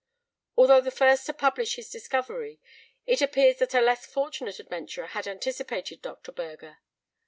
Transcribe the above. Although the first to publish his discovery, it appears that a less fortunate adventurer had anticipated Dr. Burger.